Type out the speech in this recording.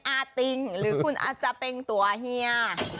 อาทิ้งหรือคุอนาซาเจฟังตัวเหี้ย